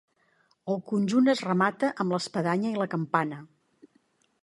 El conjunt es remata amb l'espadanya i la campana.